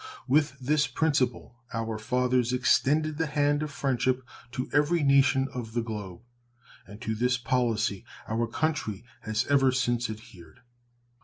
With this principle our fathers extended the hand of friendship to every nation of the globe, and to this policy our country has ever since adhered.